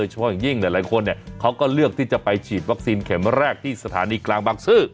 เฉพาะอย่างยิ่งหลายคนเขาก็เลือกที่จะไปฉีดวัคซีนเข็มแรกที่สถานีกลางบางซื่อ